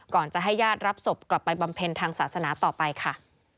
ก่อนจะให้ญาติรับศพกลับไปบำเพ็ญทางศาสนาต่อไปค่ะ